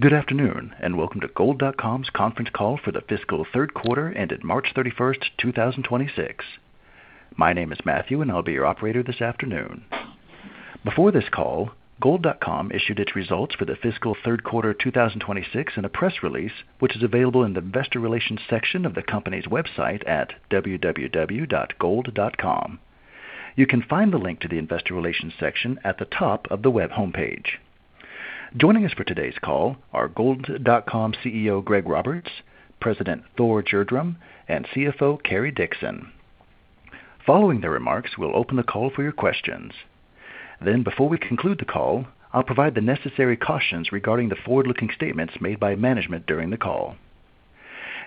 Good afternoon. Welcome to Gold.com's conference call for the fiscal third quarter ended March 31st, 2026. My name is Matthew, I'll be your operator this afternoon. Before this call, Gold.com issued its results for the fiscal third quarter 2026 in a press release, which is available in the investor relations section of the company's website at www.Gold.com. You can find the link to the investor relations section at the top of the web homepage. Joining us for today's call are Gold.com CEO Greg Roberts, President Thor Gjerdrum and CFO Cary Dickson. Following the remarks, we'll open the call for your questions. Before we conclude the call, I'll provide the necessary cautions regarding the forward-looking statements made by management during the call.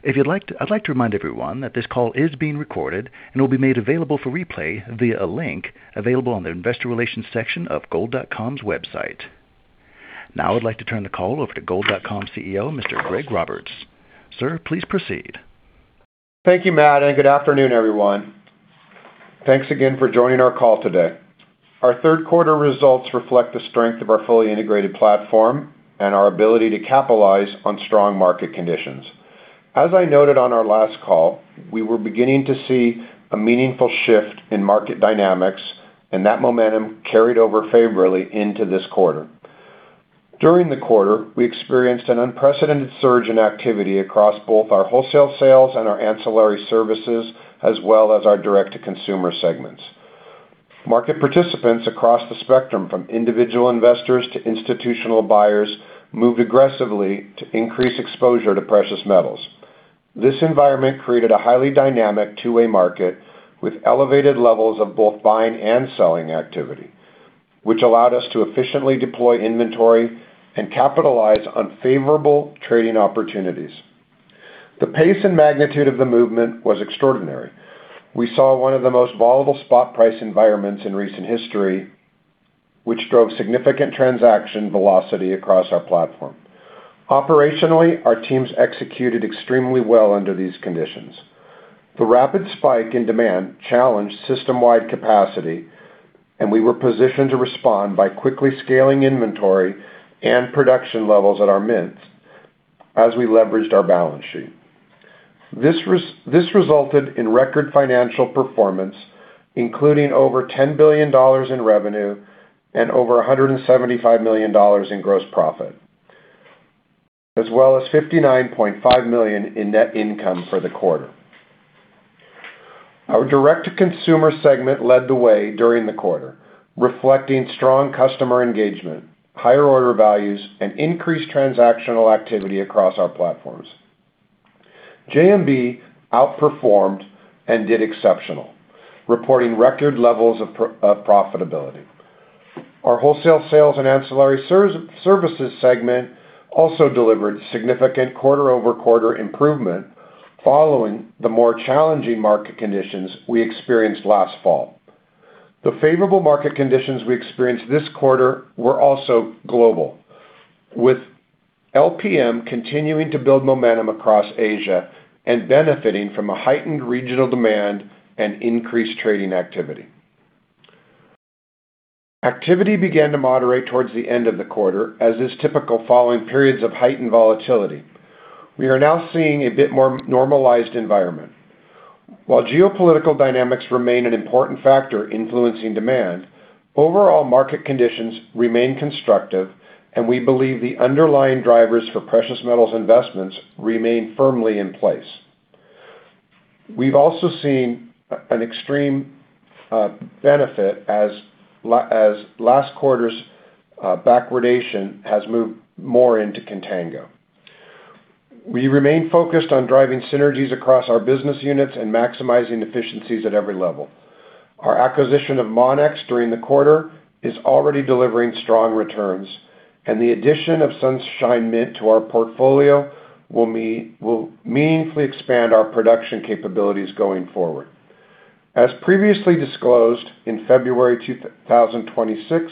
I'd like to remind everyone that this call is being recorded and will be made available for replay via a link available on the investor relations section of Gold.com's website. I'd like to turn the call over to Gold.com CEO, Mr. Greg Roberts. Sir, please proceed. Thank you, Matt. Good afternoon, everyone. Thanks again for joining our call today. Our third quarter results reflect the strength of our fully integrated platform and our ability to capitalize on strong market conditions. As I noted on our last call, we were beginning to see a meaningful shift in market dynamics. That momentum carried over favorably into this quarter. During the quarter, we experienced an unprecedented surge in activity across both our wholesale sales and our ancillary services, as well as our Direct-to-Consumer segments. Market participants across the spectrum, from individual investors to institutional buyers, moved aggressively to increase exposure to precious metals. This environment created a highly dynamic two-way market with elevated levels of both buying and selling activity, which allowed us to efficiently deploy inventory and capitalize on favorable trading opportunities. The pace and magnitude of the movement was extraordinary. We saw one of the most volatile spot price environments in recent history, which drove significant transaction velocity across our platform. Operationally, our teams executed extremely well under these conditions. The rapid spike in demand challenged system-wide capacity, we were positioned to respond by quickly scaling inventory and production levels at our mints as we leveraged our balance sheet. This resulted in record financial performance, including over $10 billion in revenue and over $175 million in gross profit, as well as $59.5 million in net income for the quarter. Our Direct-to-Consumer segment led the way during the quarter, reflecting strong customer engagement, higher order values, and increased transactional activity across our platforms. JMB outperformed and did exceptional, reporting record levels of profitability. Our Wholesale Sales & Ancillary Services segment also delivered significant quarter-over-quarter improvement following the more challenging market conditions we experienced last fall. The favorable market conditions we experienced this quarter were also global, with LPM continuing to build momentum across Asia and benefiting from a heightened regional demand and increased trading activity. Activity began to moderate towards the end of the quarter, as is typical following periods of heightened volatility. We are now seeing a bit more normalized environment. While geopolitical dynamics remain an important factor influencing demand, overall market conditions remain constructive, and we believe the underlying drivers for precious metals investments remain firmly in place. We've also seen an extreme benefit as last quarter's backwardation has moved more into contango. We remain focused on driving synergies across our business units and maximizing efficiencies at every level. Our acquisition of Monex during the quarter is already delivering strong returns, the addition of Sunshine Minting to our portfolio will meaningfully expand our production capabilities going forward. As previously disclosed, in February 2026,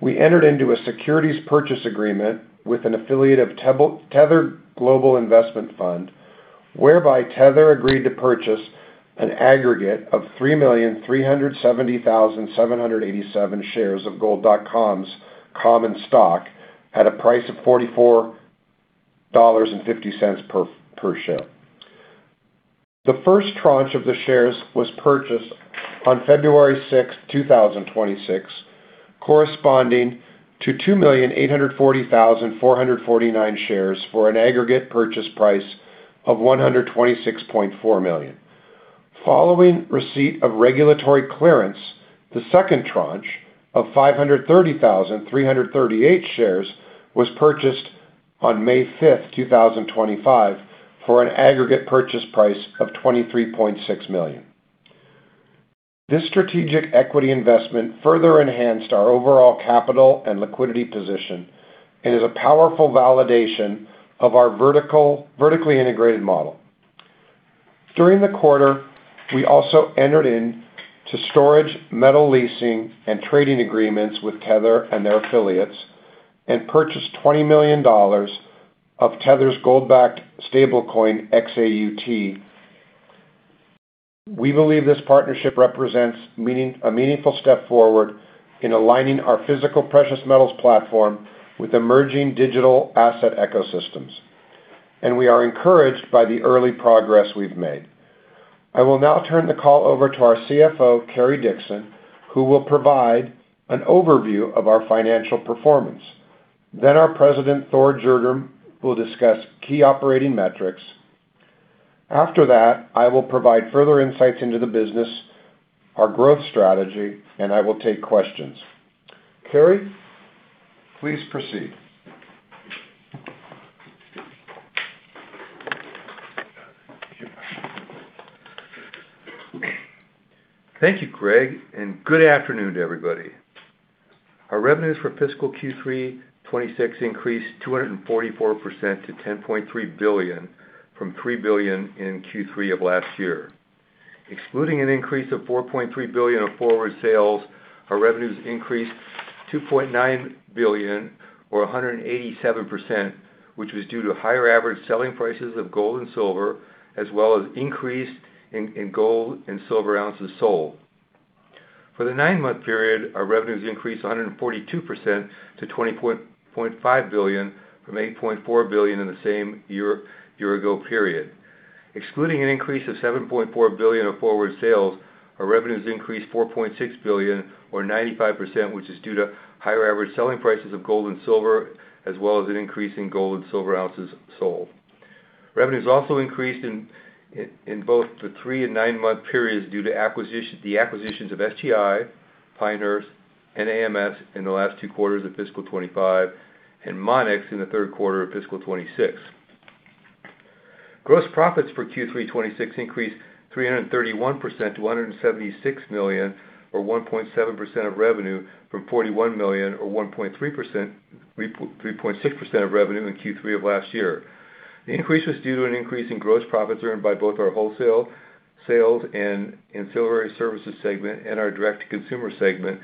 we entered into a securities purchase agreement with an affiliate of Tether Global Investments Fund, whereby Tether agreed to purchase an aggregate of 3,370,787 shares of Gold.com's common stock at a price of $44.50 per share. The first tranche of the shares was purchased on February 6th, 2026, corresponding to 2,840,449 shares for an aggregate purchase price of $126.4 million. Following receipt of regulatory clearance, the second tranche of 530,338 shares was purchased on May 5th, 2025 for an aggregate purchase price of $23.6 million. This strategic equity investment further enhanced our overall capital and liquidity position and is a powerful validation of our vertically integrated model. During the quarter, we also entered into storage, metal leasing, and trading agreements with Tether and their affiliates and purchased $20 million of Tether's gold-backed stablecoin, XAUT. We believe this partnership represents a meaningful step forward in aligning our physical precious metals platform with emerging digital asset ecosystems, and we are encouraged by the early progress we've made. I will now turn the call over to our CFO, Cary Dickson, who will provide an overview of our financial performance. Our President, Thor Gjerdrum, will discuss key operating metrics. I will provide further insights into the business, our growth strategy and I will take questions. Cary, please proceed. Thank you, Greg, and good afternoon to everybody. Our revenues for fiscal Q3 2026 increased 244% to $10.3 billion from $3 billion in Q3 of last year. Excluding an increase of $4.3 billion of forward sales, our revenues increased $2.9 billion or 187%, which was due to higher average selling prices of gold and silver, as well as increase in gold and silver ounces sold. For the nine-month period, our revenues increased 142% to $20.5 billion from $8.4 billion in the same year ago period. Excluding an increase of $7.4 billion of forward sales, our revenues increased $4.6 billion or 95%, which is due to higher average selling prices of gold and silver, as well as an increase in gold and silver ounces sold. Revenues also increased in both the three and nine-month periods due to the acquisitions of SGI, Pinehurst and AMS in the last two quarters of fiscal 2025 and Monex in the third quarter of fiscal 2026. Gross profits for Q3 2026 increased 331% to $176 million or 1.7% of revenue from $41 million or 3.6% of revenue in Q3 of last year. The increase was due to an increase in gross profits earned by both our Wholesale Sales & Ancillary Services segment and our Direct-to-Consumer segment,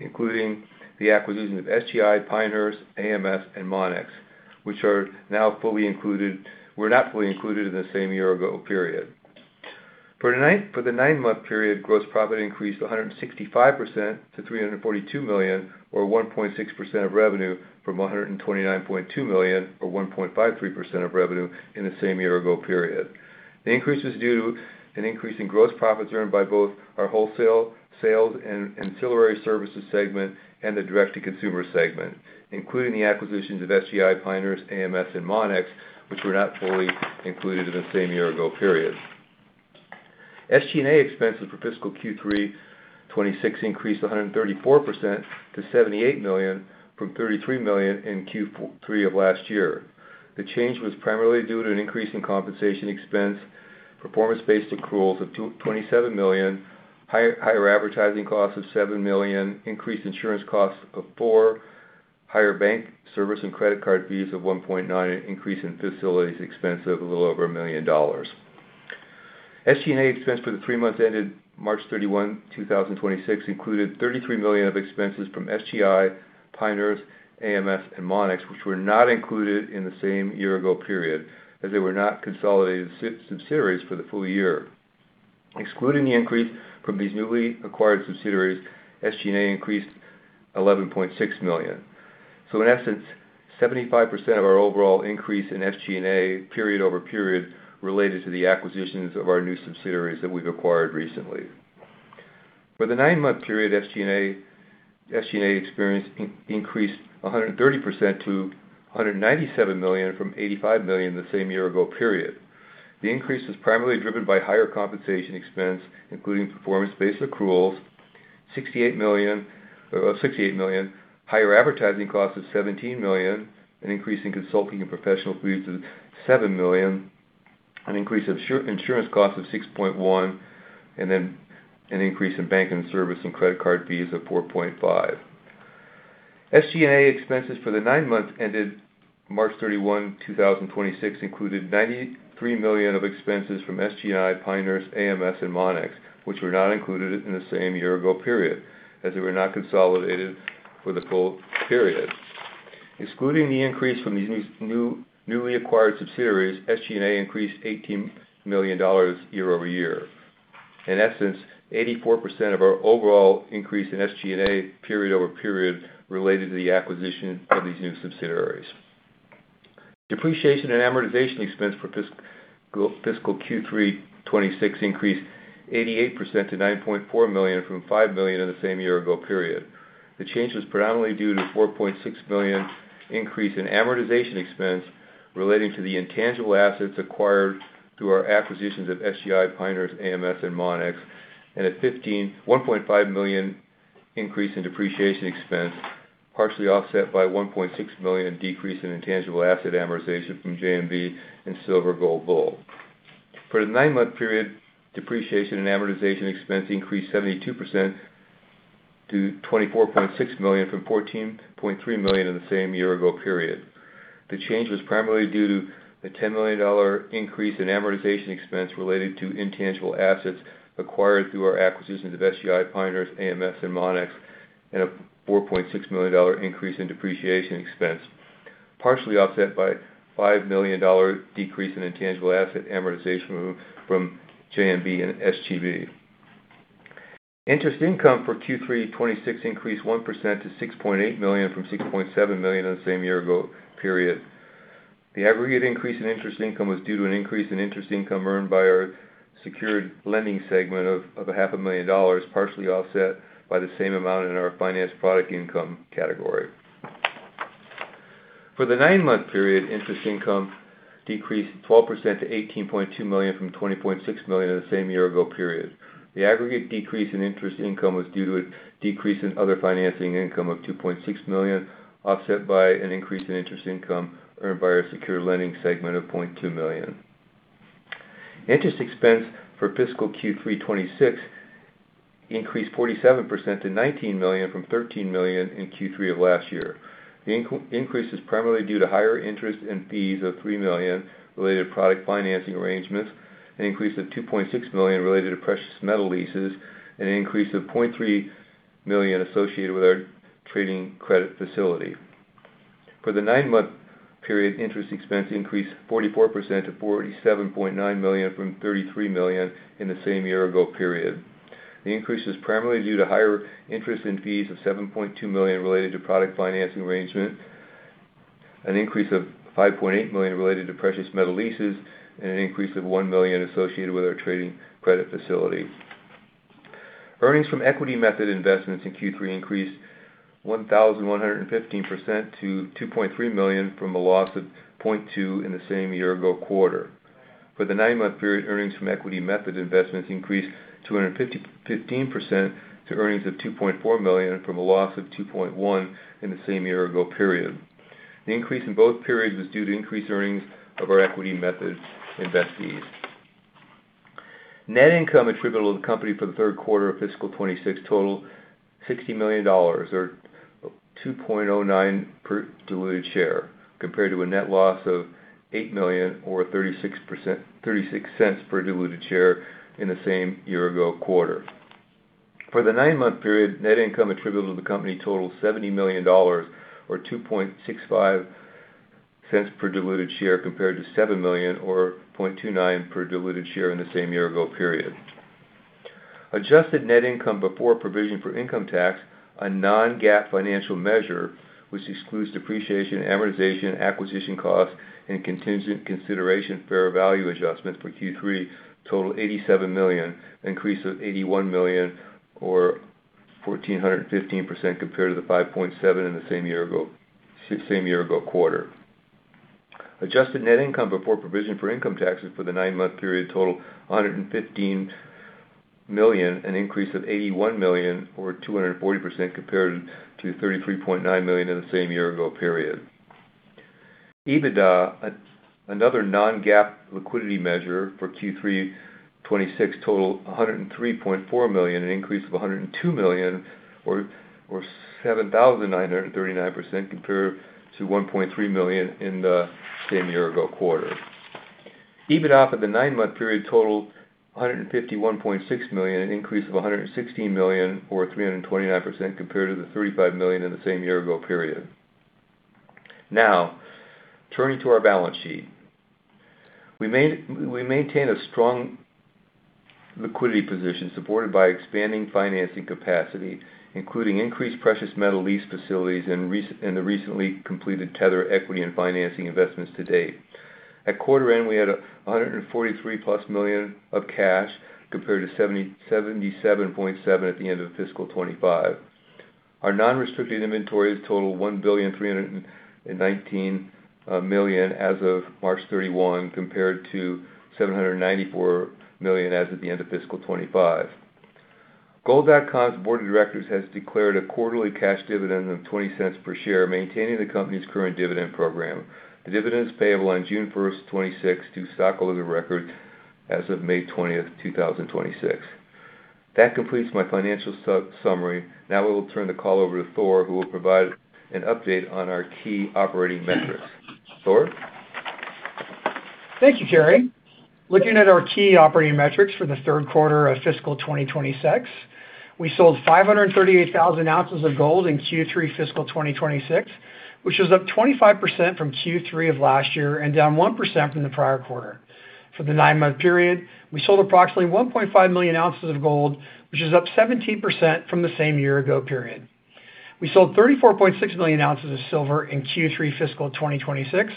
including the acquisition of SGI, Pinehurst, AMS and Monex, which were not fully included in the same year-ago period. For the nine-month period, gross profit increased 165% to $342 million or 1.6% of revenue from $129.2 million or 1.53% of revenue in the same year ago period. The increase is due to an increase in gross profits earned by both our Wholesale Sales & Ancillary Services segment and the Direct-to-Consumer segment, including the acquisitions of SGI, Pinehurst, AMS and Monex, which were not fully included in the same year ago period. SG&A expenses for fiscal Q3 2026 increased 134% to $78 million from $33 million in Q3 of last year. The change was primarily due to an increase in compensation expense, performance-based accruals of $27 million, higher advertising costs of $7 million, increased insurance costs of $4 million, higher bank service and credit card fees of $1.9 million, an increase in facilities expense of a little over $1 million. SG&A expense for the three months ended March 31, 2026 included $33 million of expenses from SGI, Pinehurst, AMS and Monex, which were not included in the same year-ago period as they were not consolidated subsidiaries for the full year. Excluding the increase from these newly acquired subsidiaries, SG&A increased $11.6 million. In essence, 75% of our overall increase in SG&A period-over-period related to the acquisitions of our new subsidiaries that we've acquired recently. For the nine-month period, SG&A increased 130% to $197 million from $85 million the same year-ago period. The increase was primarily driven by higher compensation expense, including performance-based accruals, $68 million, higher advertising costs of $17 million, an increase in consulting and professional fees of $7 million, an increase of insurance costs of $6.1 million and then an increase in bank and service and credit card fees of $4.5 million. SG&A expenses for the nine months ended March 31, 2026 included $93 million of expenses from SGI, Pinehurst, AMS and Monex, which were not included in the same year-ago period as they were not consolidated for the full period. Excluding the increase from these newly acquired subsidiaries, SG&A increased $18 million year-over-year. In essence, 84% of our overall increase in SG&A period-over-period related to the acquisition of these new subsidiaries. Depreciation and amortization expense for fiscal Q3 2026 increased 88% to $9.4 million from $5 million in the same year-ago period. The change was predominantly due to a $4.6 million increase in amortization expense relating to the intangible assets acquired through our acquisitions of SGI, Pinehurst, AMS and Monex, and a $1.5 million increase in depreciation expense, partially offset by a $1.6 million decrease in intangible asset amortization from JMB and Silver Gold Bull. For the nine-month period, depreciation and amortization expense increased 72% to $24.6 million from $14.3 million in the same year-ago period. The change was primarily due to the $10 million increase in amortization expense related to intangible assets acquired through our acquisitions of SGI, Pinehurst, AMS and Monex and a $4.6 million increase in depreciation expense. Partially offset by $5 million decrease in intangible asset amortization from JMB and SGB. Interest income for Q3 2016 increased 1% to $6.8 million from $6.7 million in the same year-ago period. The aggregate increase in interest income was due to an increase in interest income earned by our Secured Lending segment of a $500,000, partially offset by the same amount in our finance product income category. For the nine-month period, interest income decreased 12% to $18.2 million from $20.6 million in the same year-ago period. The aggregate decrease in interest income was due to a decrease in other financing income of $2.6 million, offset by an increase in interest income earned by our Secured Lending segment of $0.2 million. Interest expense for fiscal Q3 2026 increased 47% to $19 million from $13 million in Q3 of last year. The increase is primarily due to higher interest in fees of $3 million related product financing arrangements, an increase of $2.6 million related to precious metal leases, and an increase of $0.3 million associated with our trading credit facility. For the nine-month period, interest expense increased 44% to $47.9 million from $33 million in the same year-ago period. The increase is primarily due to higher interest in fees of $7.2 million related to product financing arrangement, an increase of $5.8 million related to precious metal leases and an increase of $1 million associated with our trading credit facility. Earnings from equity method investments in Q3 increased 1,115% to $2.3 million, from a loss of $0.2 million in the same year-ago quarter. For the nine-month period, earnings from equity method investments increased 215% to earnings of $2.4 million, from a loss of $2.1 million in the same year-ago period. The increase in both periods was due to increased earnings of our equity method investees. Net income attributable to the company for the third quarter of fiscal 2026 totaled $60 million or $2.09 per diluted share, compared to a net loss of $8 million or $0.36 per diluted share in the same year-ago quarter. For the nine-month period, net income attributable to the company totaled $70 million or $2.65 per diluted share, compared to $7 million or $0.29 per diluted share in the same year-ago period. Adjusted net income before provision for income tax, a non-GAAP financial measure, which excludes depreciation, amortization, acquisition costs and contingent consideration fair value adjustments for Q3 totaled $87 million, an increase of $81 million or 1,415% compared to the $5.7 million in the same year-ago quarter. Adjusted net income before provision for income taxes for the nine-month period totaled $115 million, an increase of $81 million or 240% compared to $33.9 million in the same year-ago period. EBITDA, another non-GAAP liquidity measure for Q3 2026 totaled $103.4 million, an increase of $102 million or 7,939% compared to $1.3 million in the same year-ago quarter. EBITDA for the nine-month period totaled $151.6 million, an increase of $116 million, or 329% compared to the $35 million in the same year-ago period. Turning to our balance sheet. We maintain a strong liquidity position supported by expanding financing capacity, including increased precious metal lease facilities and the recently completed Tether equity and financing investments to date. At quarter end, we had $143+ million of cash compared to $77.7 million at the end of fiscal 2025. Our non-restricted inventories totaled $1,319 million as of March 31, compared to $794 million as at the end of fiscal 2025. Gold.com's board of directors has declared a quarterly cash dividend of $0.20 per share, maintaining the company's current dividend program. The dividend is payable on June 1st, 2026, to stockholders of record as of May 20th, 2026. That completes my financial summary. Now we will turn the call over to Thor, who will provide an update on our key operating metrics. Thor? Thank you, Cary. Looking at our key operating metrics for the third quarter of fiscal 2026, we sold 538,000 oz of gold in Q3 fiscal 2026, which is up 25% from Q3 of last year and down 1% from the prior quarter. For the nine-month period, we sold approximately 1.5 Moz of gold, which is up 17% from the same year-ago period. We sold 34.6 Moz of silver in Q3 fiscal 2026,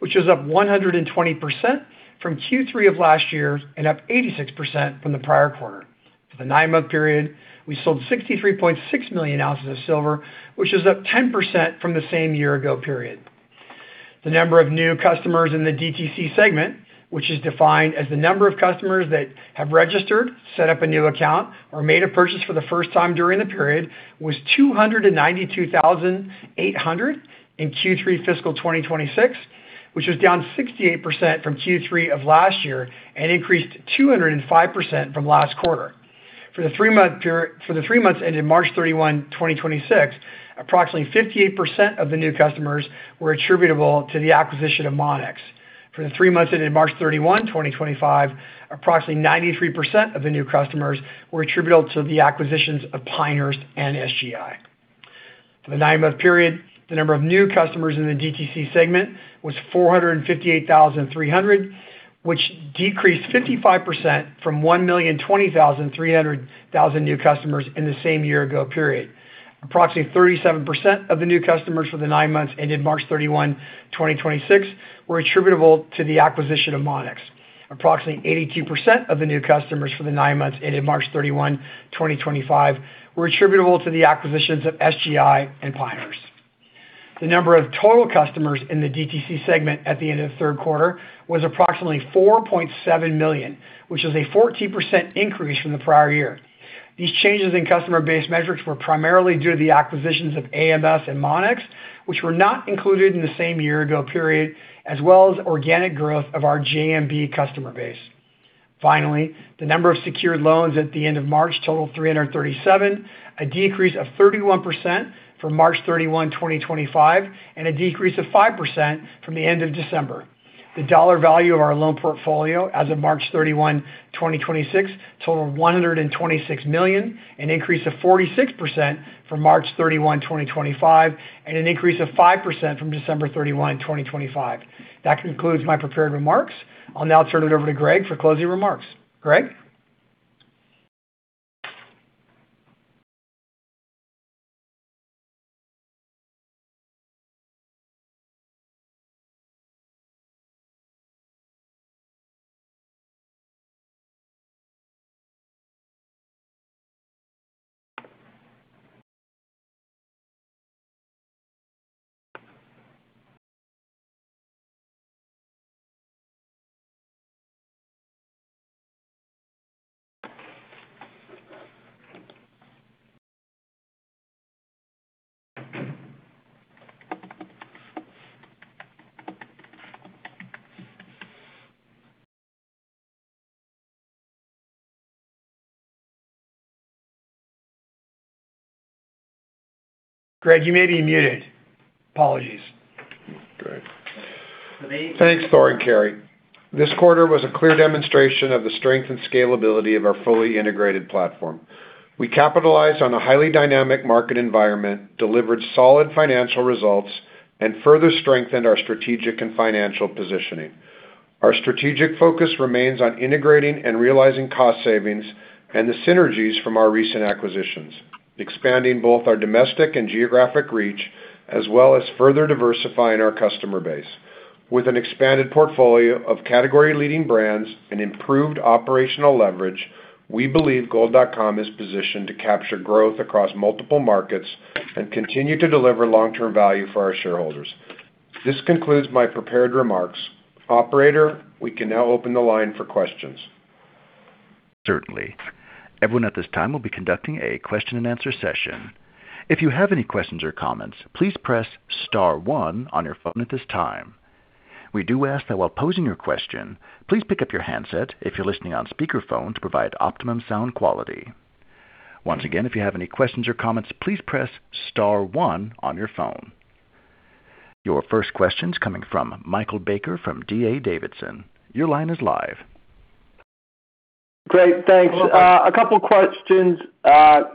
which is up 120% from Q3 of last year and up 86% from the prior quarter. For the nine-month period, we sold 63.6 Moz of silver, which is up 10% from the same year-ago period. The number of new customers in the DTC segment, which is defined as the number of customers that have registered, set up a new account, or made a purchase for the first time during the period, was 292,800 in Q3 fiscal 2026, which was down 68% from Q3 of last year and increased 205% from last quarter. For the three months ended March 31, 2026, approximately 58% of the new customers were attributable to the acquisition of Monex. For the three months ended March 31, 2025, approximately 93% of the new customers were attributable to the acquisitions of Pinehurst and SGI. For the nine-month period, the number of new customers in the DTC segment was 458,300, which decreased 55% from 1,020,300 new customers in the same year ago period. Approximately 37% of the new customers for the nine months ended March 31, 2026 were attributable to the acquisition of Monex. Approximately 82% of the new customers for the nine months ended March 31, 2025 were attributable to the acquisitions of SGI and Pinehurst. The number of total customers in the DTC segment at the end of the third quarter was approximately 4.7 million, which is a 14% increase from the prior year. These changes in customer base metrics were primarily due to the acquisitions of AMS and Monex, which were not included in the same year ago period, as well as organic growth of our JMB customer base. Finally, the number of secured loans at the end of March totaled 337, a decrease of 31% from March 31, 2025, and a decrease of 5% from the end of December. The dollar value of our loan portfolio as of March 31, 2026 totaled $126 million, an increase of 46% from March 31, 2025 and an increase of 5% from December 31, 2025. That concludes my prepared remarks. I'll now turn it over to Greg for closing remarks. Greg? Greg, you may be muted. Apologies. Great. Thanks, Thor and Cary. This quarter was a clear demonstration of the strength and scalability of our fully integrated platform. We capitalized on a highly dynamic market environment, delivered solid financial results and further strengthened our strategic and financial positioning. Our strategic focus remains on integrating and realizing cost savings and the synergies from our recent acquisitions, expanding both our domestic and geographic reach, as well as further diversifying our customer base. With an expanded portfolio of category-leading brands and improved operational leverage, we believe Gold.com is positioned to capture growth across multiple markets and continue to deliver long-term value for our shareholders. This concludes my prepared remarks. Operator, we can now open the line for questions. Certainly. Everyone at this time will be conducting a question-and-answer session. If you have any questions or comments, please press star one on your phone at this time. We do ask that while posing your question, please pick up your handset if you're listening on speakerphone to provide optimum sound quality. Once again, if you have any questions or comments, please press star one on your phone. Your first question's coming from Michael Baker from D.A. Davidson. Your line is live. Great. Thanks. A couple questions.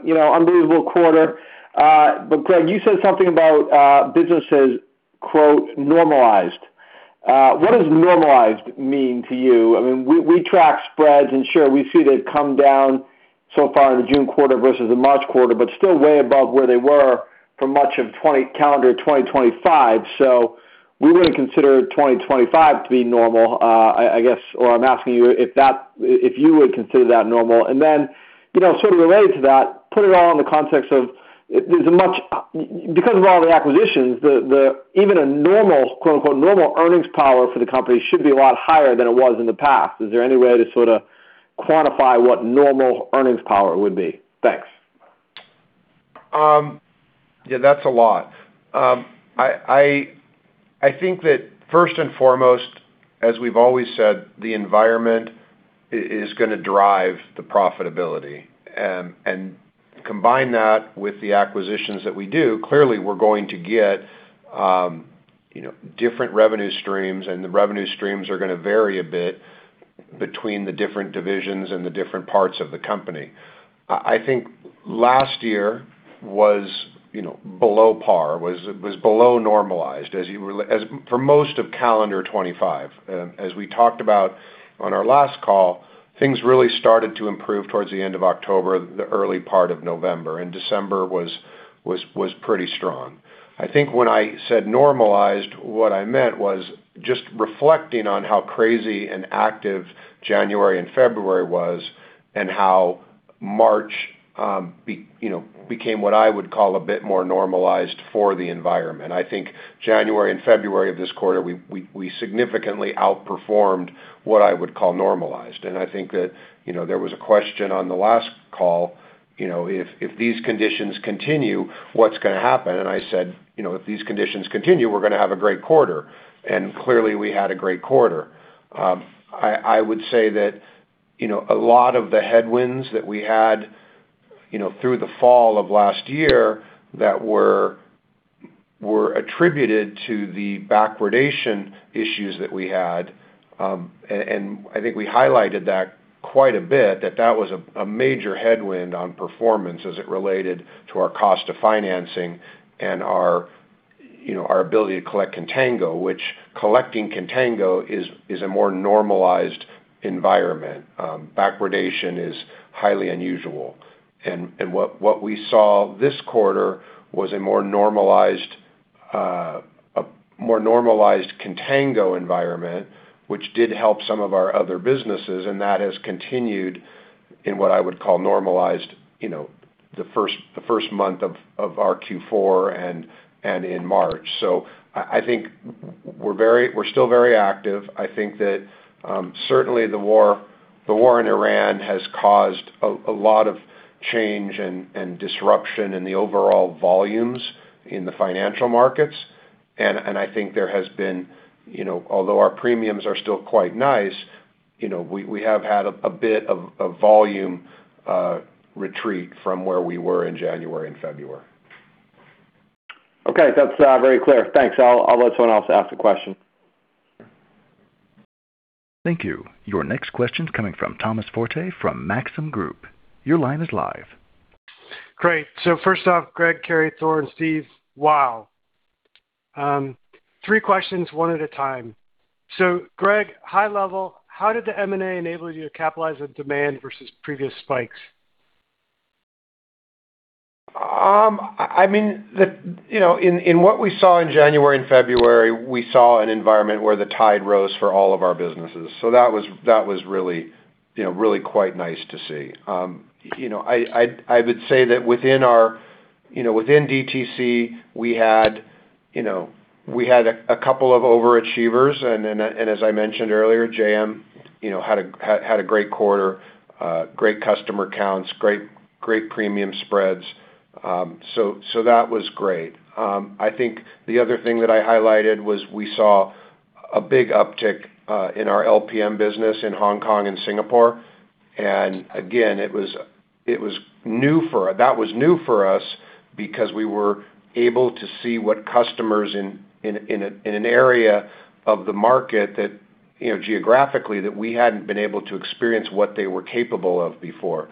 You know, unbelievable quarter. Greg, you said something about businesses quote, "normalized." What does normalized mean to you? I mean, we track spreads, sure, we see they've come down so far in the June quarter versus the March quarter, still way above where they were for much of calendar 2025. We wouldn't consider 2025 to be normal, I guess, or I'm asking you if you would consider that normal. You know, sort of related to that, put it all in the context of because of all the acquisitions, even a normal, quote-unquote, "normal earnings power" for the company should be a lot higher than it was in the past. Is there any way to sort of quantify what normal earnings power would be? Thanks. Yeah, that's a lot. I think that first and foremost, as we've always said, the environment is gonna drive the profitability. Combine that with the acquisitions that we do, clearly, we're going to get, you know, different revenue streams and the revenue streams are gonna vary a bit between the different divisions and the different parts of the company. I think last year was, you know, below par, was below normalized, as you for most of calendar 2025. As we talked about on our last call, things really started to improve towards the end of October, the early part of November, December was pretty strong. I think when I said normalized, what I meant was just reflecting on how crazy and active January and February was and how March, you know, became what I would call a bit more normalized for the environment. I think January and February of this quarter, we significantly outperformed what I would call normalized. I think that, you know, there was a question on the last call, you know, if these conditions continue, what's gonna happen? I said, "You know, if these conditions continue, we're gonna have a great quarter." Clearly, we had a great quarter. I would say that, you know, a lot of the headwinds that we had, you know, through the fall of last year that were attributed to the backwardation issues that we had. And I think we highlighted that quite a bit, that that was a major headwind on performance as it related to our cost of financing and our, you know, our ability to collect contango, which collecting contango is a more normalized environment. Backwardation is highly unusual. What we saw this quarter was a more normalized, a more normalized contango environment, which did help some of our other businesses, and that has continued in what I would call normalized, you know, the first month of our Q4 and in March. I think we're still very active. I think that certainly the war in Iran has caused a lot of change and disruption in the overall volumes in the financial markets. I think there has been, you know, although our premiums are still quite nice, you know, we have had a bit of a volume retreat from where we were in January and February. Okay. That's very clear. Thanks. I'll let someone else ask a question. Thank you. Your next question's coming from Thomas Forte from Maxim Group. Your line is live. Great. First off, Greg, Cary, Thor, and Steve, wow. Three questions, one at a time. Greg, high level, how did the M&A enable you to capitalize on demand versus previous spikes? In what we saw in January and February, we saw an environment where the tide rose for all of our businesses. That was really quite nice to see. Within DTC, we had a couple of overachievers. As I mentioned earlier, JM had a great quarter, great customer counts, great premium spreads. That was great. I think the other thing that I highlighted was we saw a big uptick in our LPM business in Hong Kong and Singapore. Again, it was new for us. That was new for us because we were able to see what customers in an area of the market that, you know, geographically that we hadn't been able to experience what they were capable of before.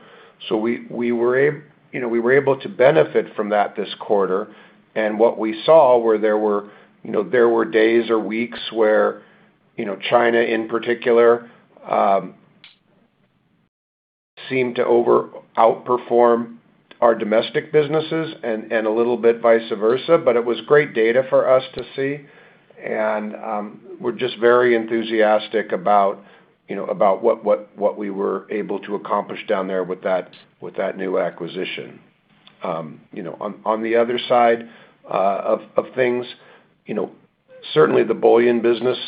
We, you know, we were able to benefit from that this quarter. What we saw were there were, you know, there were days or weeks where, you know, China in particular seemed to outperform our domestic businesses and a little bit vice versa. It was great data for us to see. We're just very enthusiastic about, you know, about what we were able to accomplish down there with that new acquisition. You know, on the other side of things, you know, certainly the bullion business,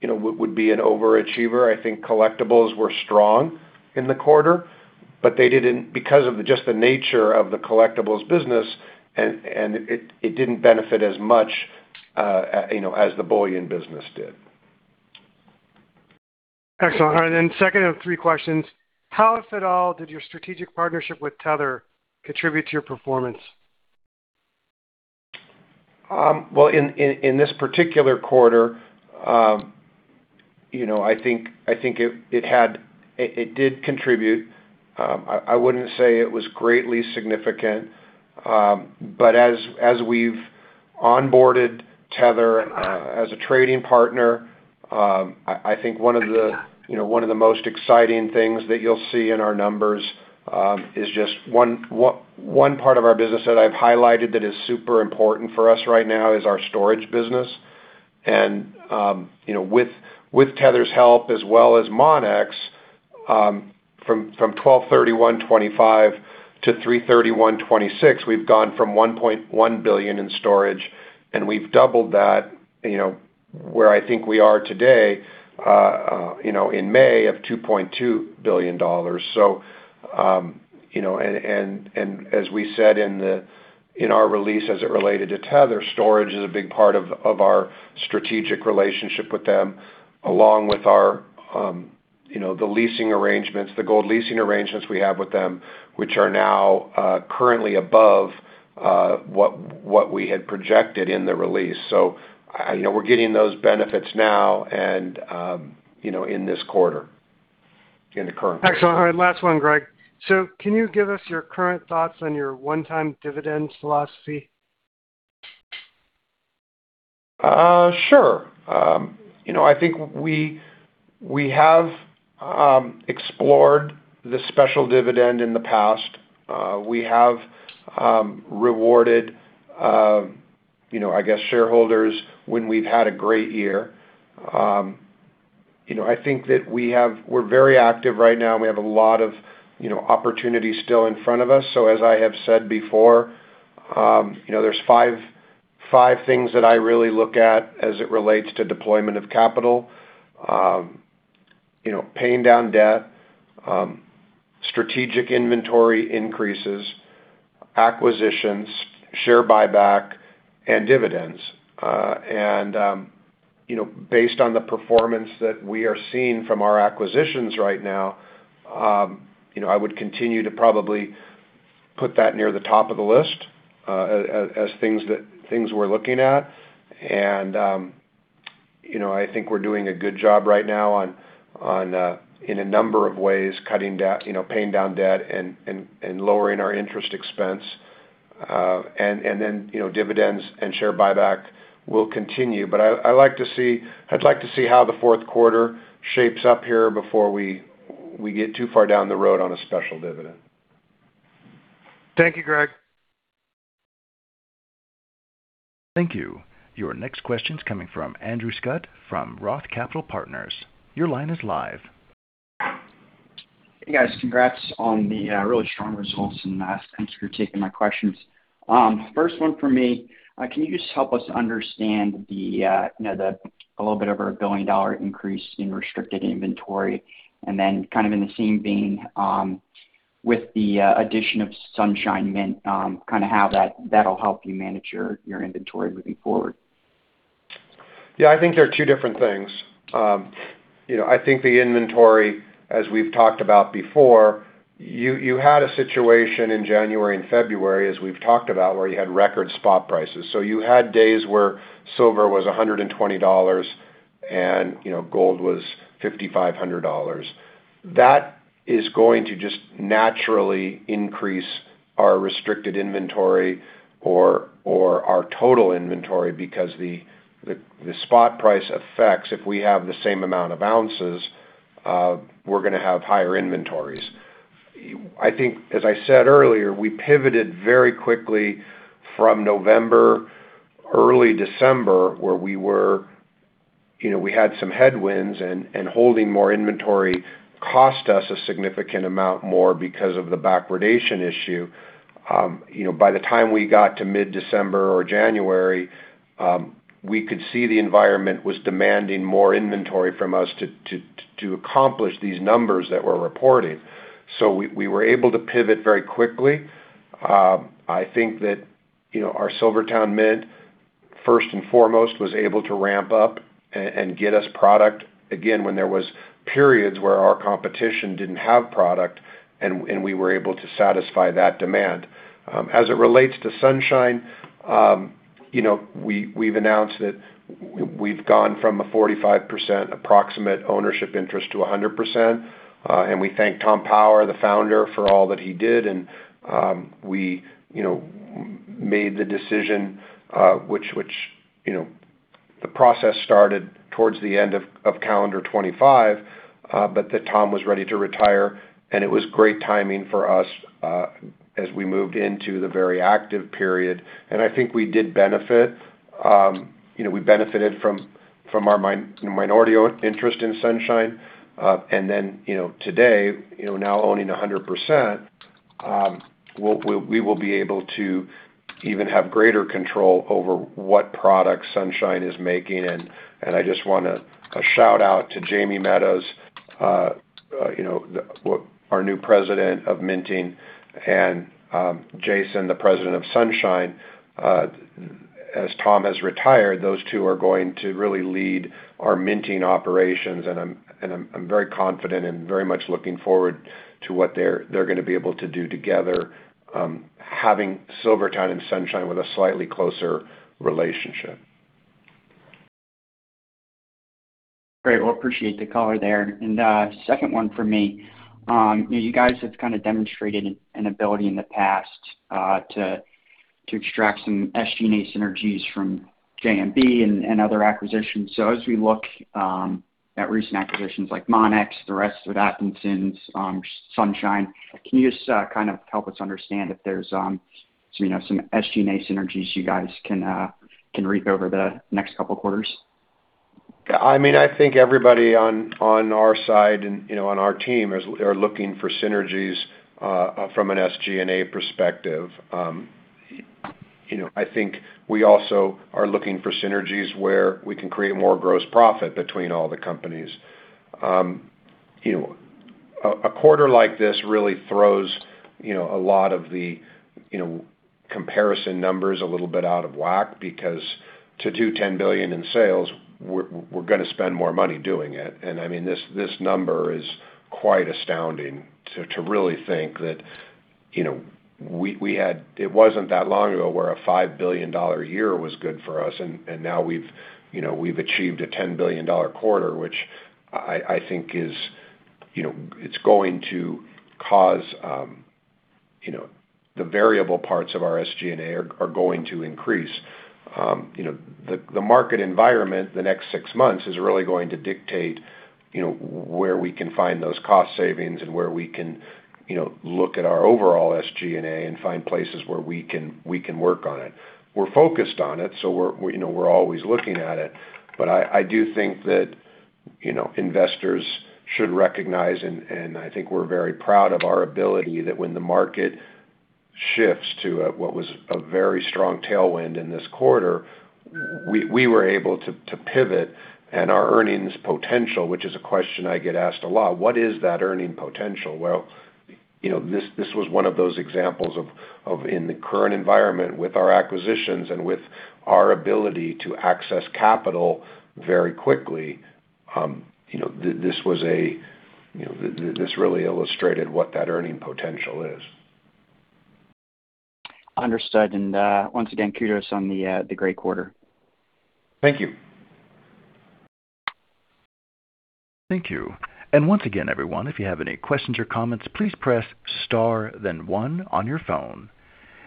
you know, would be an overachiever. I think collectibles were strong in the quarter, but they didn't because of just the nature of the collectibles business and it didn't benefit as much, you know, as the bullion business did. Excellent. All right, second of three questions. How, if at all, did your strategic partnership with Tether contribute to your performance? Well, in this particular quarter, you know, I think it did contribute. I wouldn't say it was greatly significant. As we've onboarded Tether as a trading partner, I think one of the, you know, one of the most exciting things that you'll see in our numbers is just one part of our business that I've highlighted that is super important for us right now is our storage business. With Tether's help as well as Monex, from December 31, 2025 to March 31, 2026, we've gone from $1.1 billion in storage and we've doubled that, you know, where I think we are today, you know, in May of $2.2 billion. You know, and as we said in the, in our release as it related to Tether, storage is a big part of our strategic relationship with them, along with our, you know, the leasing arrangements, the gold leasing arrangements we have with them, which are now currently above what we had projected in the release. You know, we're getting those benefits now and, you know, in this quarter, in the current quarter. Excellent. All right, last one, Greg. Can you give us your current thoughts on your one-time dividend philosophy? You know, I think we have explored the special dividend in the past. We have rewarded, you know, I guess, shareholders when we've had a great year. You know, I think that we're very active right now, and we have a lot of, you know, opportunities still in front of us. As I have said before, you know, there's five things that I really look at as it relates to deployment of capital. You know, paying down debt, strategic inventory increases, Acquisitions, share buyback and dividends. You know, based on the performance that we are seeing from our acquisitions right now, you know, I would continue to probably put that near the top of the list, as things we're looking at. You know, I think we're doing a good job right now on, in a number of ways, cutting debt, you know, paying down debt and lowering our interest expense. You know, dividends and share buyback will continue. I'd like to see how the fourth quarter shapes up here before we get too far down the road on a special dividend. Thank you, Greg. Thank you. Your next question's coming from Andrew Scutt from ROTH Capital Partners. Your line is live. Hey, guys. Congrats on the really strong results. Thanks for taking my questions. First one for me, can you just help us understand a little bit of our billion-dollar increase in restricted inventory? In the same vein, with the addition of Sunshine mint, how that'll help you manage your inventory moving forward? Yeah. I think they're two different things. You know, I think the inventory, as we've talked about before, you had a situation in January and February as we've talked about, where you had record spot prices. You had days where silver was $120 and, you know, gold was $5,500. That is going to just naturally increase our restricted inventory or our total inventory because the spot price affects if we have the same amount of ounces, we're gonna have higher inventories. I think as I said earlier, we pivoted very quickly from November, early December, where we were, you know, we had some headwinds and holding more inventory cost us a significant amount more because of the backwardation issue. You know, by the time we got to mid-December or January, we could see the environment was demanding more inventory from us to accomplish these numbers that we're reporting. We were able to pivot very quickly. I think that, you know, our SilverTowne Mint, first and foremost, was able to ramp up and get us product again when there was periods where our competition didn't have product and we were able to satisfy that demand. As it relates to Sunshine, you know, we've announced that we've gone from a 45% approximate ownership interest to a 100%. We thank Tom Power, the founder, for all that he did. We, you know, made the decision, which, you know, the process started towards the end of calendar 2025, but that Tom was ready to retire. It was great timing for us as we moved into the very active period. I think we did benefit. You know, we benefited from our minority interest in Sunshine. You know, today, you know, now owning 100%, we will be able to even have greater control over what products Sunshine is making. I just wanna a shout-out to Jamie Meadows, you know, our new President of Minting, and Jason, the President of Sunshine. As Tom has retired, those two are going to really lead our minting operations and I'm very confident and very much looking forward to what they're gonna be able to do together, having SilverTowne and Sunshine with a slightly closer relationship. Great. Well, appreciate the color there. Second one for me, you guys have kind of demonstrated an ability in the past to extract some SG&A synergies from JMB and other acquisitions. As we look at recent acquisitions like Monex, the rest of the Atkinsons, Sunshine, can you just kind of help us understand if there's, you know, some SG&A synergies you guys can reap over the next couple quarters? I mean, I think everybody on our side and, you know, on our team are looking for synergies from an SG&A perspective. You know, I think we also are looking for synergies where we can create more gross profit between all the companies. You know, a quarter like this really throws, you know, a lot of the, you know, comparison numbers a little bit out of whack because to do $10 billion in sales, we're gonna spend more money doing it. I mean, this number is quite astounding to really think that, you know, it wasn't that long ago where a $5 billion year was good for us. Now we've, you know, we've achieved a $10 billion quarter, which I think is, you know, it's going to cause, you know, the variable parts of our SG&A are going to increase. You know, the market environment the next six months is really going to dictate, you know, where we can find those cost savings and where we can, you know, look at our overall SG&A and find places where we can work on it. We're focused on it, so we're, you know, we're always looking at it. I do think that, you know, investors should recognize and I think we're very proud of our ability that when the market shifts to what was a very strong tailwind in this quarter. We were able to pivot and our earnings potential, which is a question I get asked a lot, what is that earning potential? Well, you know, this was one of those examples of in the current environment with our acquisitions and with our ability to access capital very quickly, you know, this was a, you know, this really illustrated what that earning potential is. Understood. Once again, kudos on the great quarter. Thank you. Thank you. Once again, everyone, if you have any questions or comments, please press star then one on your phone.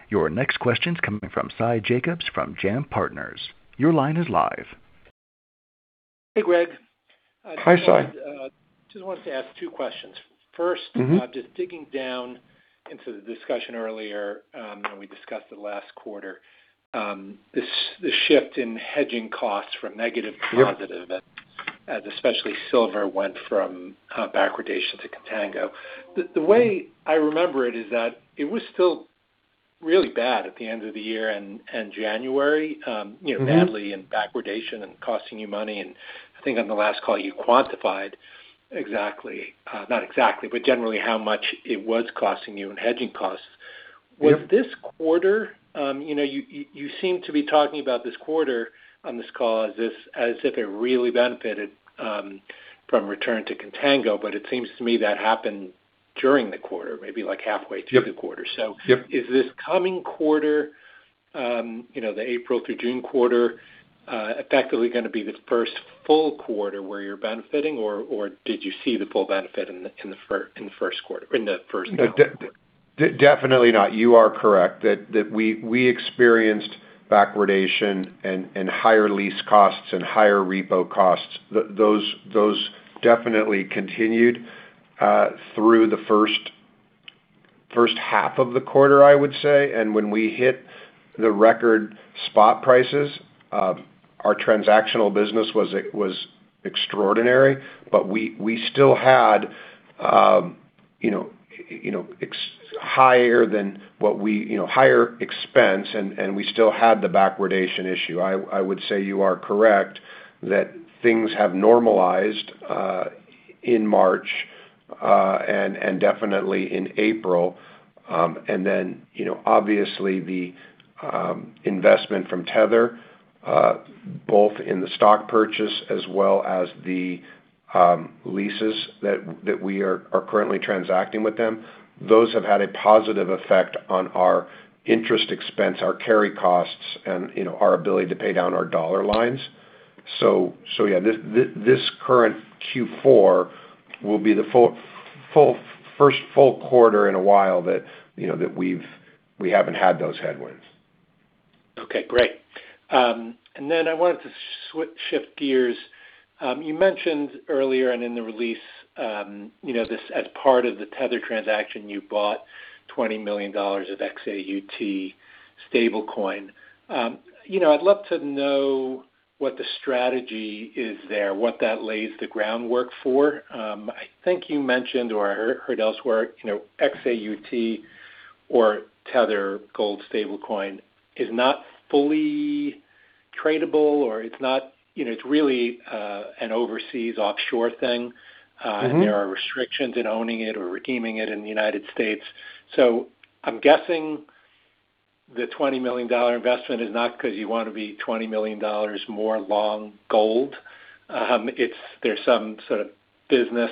Your next question's coming from Sy Jacobs from JAM Partners. Your line is live. Hey, Greg. Hi, Sy. Just wanted to ask two questions. Just digging down into the discussion earlier, you know, we discussed it last quarter, this shift in hedging costs from negative to positive. Yep As especially silver went from backwardation to contango. The way I remember it is that it was still really bad at the end of the year and January. Badly in backwardation and costing you money. I think on the last call you quantified exactly, not exactly but generally how much it was costing you in hedging costs. Yep. With this quarter, you know, you seem to be talking about this quarter on this call as if it really benefited, from return to contango but it seems to me that happened during the quarter, maybe like halfway through the quarter. Yep. Is this coming quarter, you know, the April through June quarter, effectively gonna be the first full quarter where you're benefiting or did you see the full benefit in the first quarter? Definitely not. You are correct that we experienced backwardation and higher lease costs and higher repo costs. Those definitely continued through the first half of the quarter, I would say. When we hit the record spot prices, our transactional business was extraordinary but we still had, you know, higher than what we you know, higher expense and we still had the backwardation issue. I would say you are correct that things have normalized in March and definitely in April. Then, you know, obviously the investment from Tether, both in the stock purchase as well as the leases that we are currently transacting with them, those have had a positive effect on our interest expense, our carry costs and, you know, our ability to pay down our dollar lines. Yeah, this current Q4 will be the first full quarter in a while that, you know, we haven't had those headwinds. Okay, great. I wanted to shift gears. You mentioned earlier and in the release, you know, this as part of the Tether transaction, you bought $20 million of XAUT stablecoin. You know, I'd love to know what the strategy is there, what that lays the groundwork for. I think you mentioned or I heard elsewhere, you know, XAUT or Tether Gold stablecoin is not fully tradable or it's not, you know, it's really an overseas offshore thing. There are restrictions in owning it or redeeming it in the U.S. I'm guessing the $20 million investment is not 'cause you wanna be $20 million more long gold. It's there's some sort of business,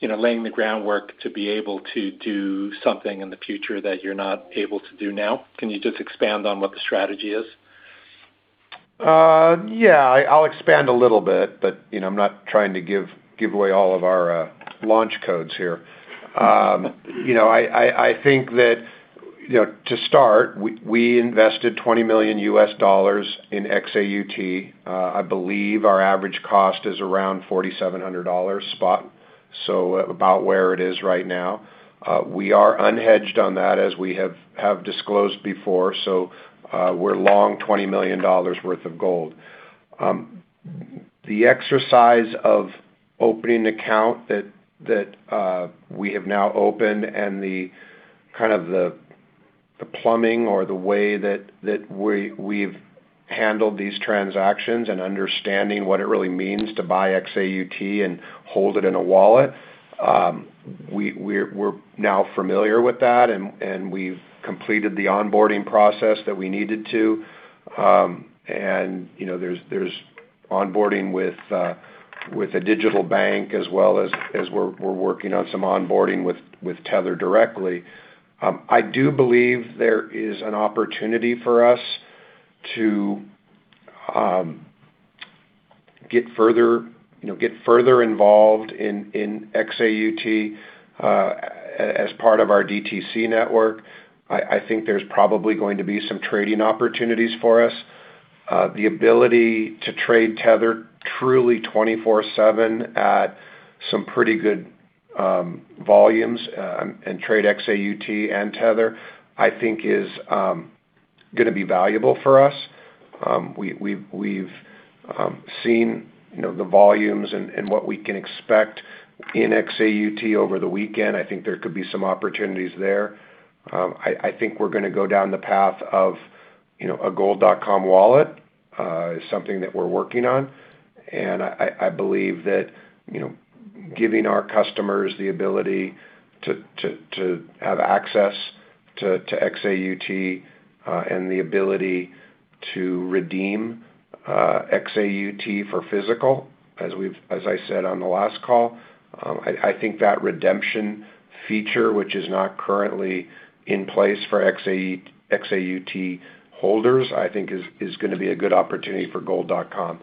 you know, laying the groundwork to be able to do something in the future that you're not able to do now. Can you just expand on what the strategy is? Yeah, I'll expand a little bit but, you know, I'm not trying to give away all of our launch codes here. You know, I think that, you know, to start, we invested $20 million in XAUT. I believe our average cost is around $4,700 spot, so about where it is right now. We are unhedged on that, as we have disclosed before. We're long $20 million worth of gold. The exercise of opening an account that we have now opened and the kind of the plumbing or the way that we've handled these transactions and understanding what it really means to buy XAUT and hold it in a wallet, we're now familiar with that and we've completed the onboarding process that we needed to. You know, there's onboarding with a digital bank as well as we're working on some onboarding with Tether directly. I do believe there is an opportunity for us to get further, you know, get further involved in XAUT as part of our DTC network. I think there's probably going to be some trading opportunities for us. The ability to trade Tether truly 24/7 at some pretty good volumes and trade XAUT and Tether, I think is gonna be valuable for us. We've seen, you know, the volumes and what we can expect in XAUT over the weekend, I think there could be some opportunities there. I think we're gonna go down the path of, you know, a Gold.com wallet is something that we're working on. I believe that, you know, giving our customers the ability to have access to XAUT, and the ability to redeem XAUT for physical as I said on the last call, I think that redemption feature, which is not currently in place for XAUT holders, I think is gonna be a good opportunity for Gold.com.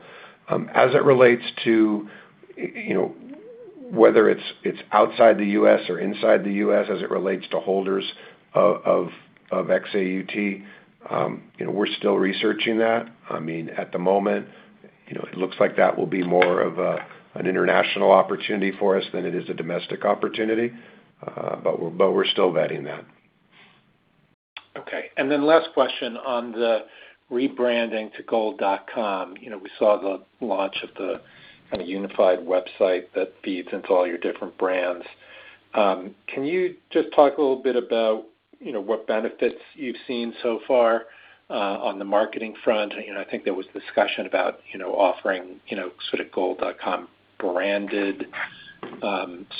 As it relates to, you know, whether it's outside the U.S. or inside the U.S. as it relates to holders of XAUT, you know, we're still researching that. I mean, at the moment, you know, it looks like that will be more of an international opportunity for us than it is a domestic opportunity but we're still vetting that. Last question on the rebranding to Gold.com. You know, we saw the launch of the kind of unified website that feeds into all your different brands. Can you just talk a little bit about, you know, what benefits you've seen so far on the marketing front? You know, I think there was discussion about, you know, offering, you know, sort of Gold.com branded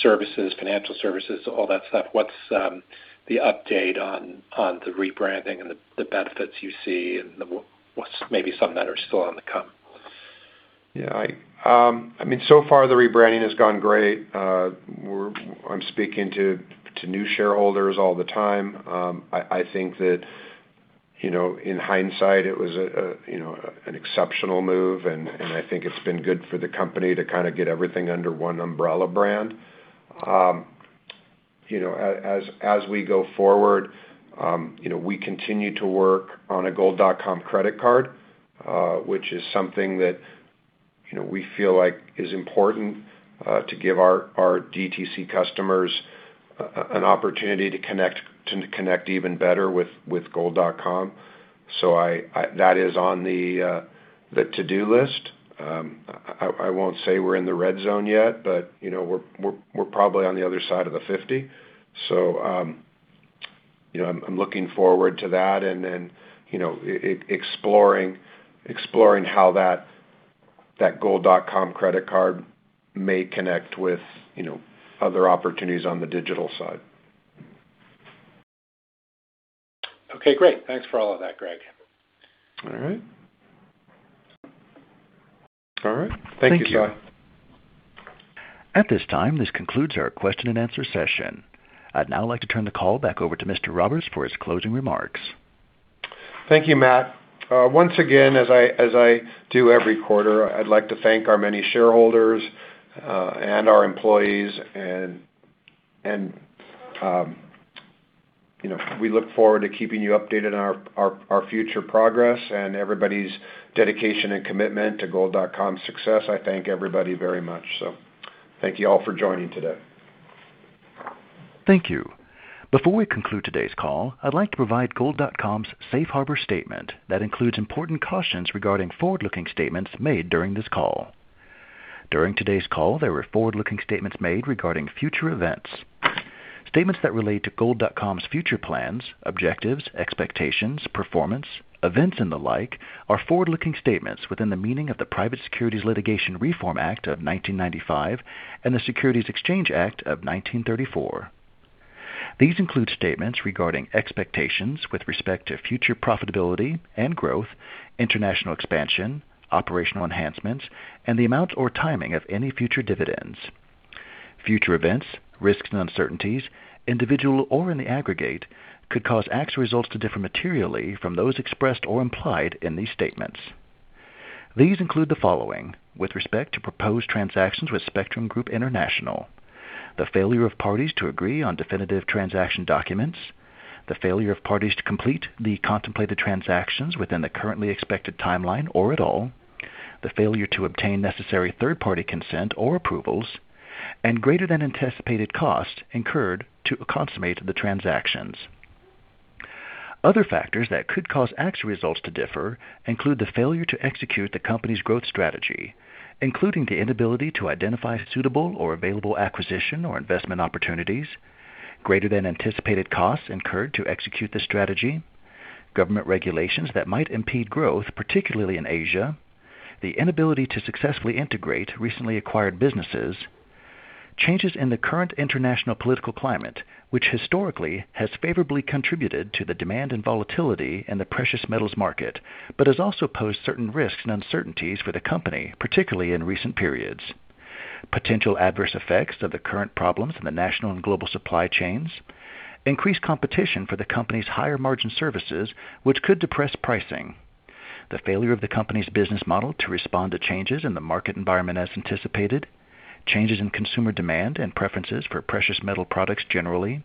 services, financial services, all that stuff. What's the update on the rebranding and the benefits you see and what's maybe some that are still on the come? Yeah. I mean, so far the rebranding has gone great. I'm speaking to new shareholders all the time. I think that, you know, in hindsight it was a, you know, an exceptional move and I think it's been good for the company to kind of get everything under one umbrella brand. You know, as we go forward, you know, we continue to work on a Gold.com credit card, which is something that, you know, we feel like is important to give our DTC customers an opportunity to connect even better with Gold.com. That is on the to-do list. I won't say we're in the red zone yet, but, you know, we're probably on the other side of the 50. You know, I'm looking forward to that and then, you know, exploring how that Gold.com credit card may connect with, you know, other opportunities on the digital side. Okay, great. Thanks for all of that, Greg. All right. All right. Thank you. Thank you. Bye. At this time, this concludes our question and answer session. I'd now like to turn the call back over to Mr. Roberts for his closing remarks. Thank you, Matt. Once again, as I, as I do every quarter, I'd like to thank our many shareholders and our employees and, you know, we look forward to keeping you updated on our, our future progress and everybody's dedication and commitment to Gold.com's success. I thank everybody very much. Thank you all for joining today. Thank you. Before we conclude today's call, I'd like to provide Gold.com's safe harbor statement that includes important cautions regarding forward-looking statements made during this call. During today's call, there were forward-looking statements made regarding future events. Statements that relate to Gold.com's future plans, objectives, expectations, performance, events and the like are forward-looking statements within the meaning of the Private Securities Litigation Reform Act of 1995 and the Securities Exchange Act of 1934. These include statements regarding expectations with respect to future profitability and growth, international expansion, operational enhancements and the amount or timing of any future dividends. Future events, risks and uncertainties, individual or in the aggregate, could cause actual results to differ materially from those expressed or implied in these statements. These include the following: with respect to proposed transactions with Spectrum Group International, the failure of parties to agree on definitive transaction documents, the failure of parties to complete the contemplated transactions within the currently expected timeline or at all, the failure to obtain necessary third-party consent or approvals, and greater than anticipated costs incurred to consummate the transactions. Other factors that could cause [X results] to differ include the failure to execute the company's growth strategy, including the inability to identify suitable or available acquisition or investment opportunities, greater than anticipated costs incurred to execute the strategy, government regulations that might impede growth, particularly in Asia, the inability to successfully integrate recently acquired businesses, changes in the current international political climate, which historically has favorably contributed to the demand and volatility in the precious metals market but has also posed certain risks and uncertainties for the company, particularly in recent periods. Potential adverse effects of the current problems in the national and global supply chains. Increased competition for the company's higher margin services, which could depress pricing. The failure of the company's business model to respond to changes in the market environment as anticipated. Changes in consumer demand and preferences for precious metal products generally.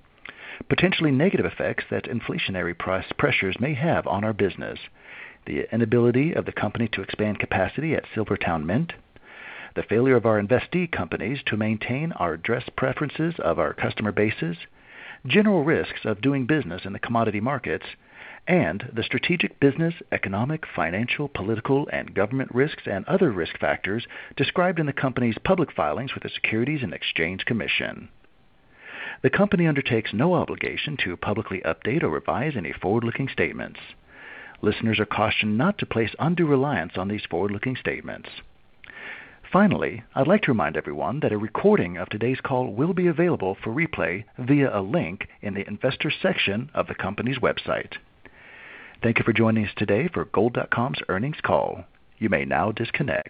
Potentially negative effects that inflationary price pressures may have on our business. The inability of the company to expand capacity at SilverTowne Mint. The failure of our investee companies to maintain or address preferences of our customer bases. General risks of doing business in the commodity markets and the strategic business, economic, financial, political and government risks and other risk factors described in the company's public filings with the Securities and Exchange Commission. The company undertakes no obligation to publicly update or revise any forward-looking statements. Listeners are cautioned not to place undue reliance on these forward-looking statements. Finally, I'd like to remind everyone that a recording of today's call will be available for replay via a link in the investor section of the company's website. Thank you for joining us today for Gold.com's earnings call. You may now disconnect.